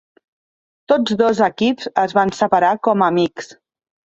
Tots dos equips es van separar com amics.